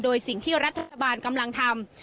โดยสิ่งที่รัฐบาลกำลังทำ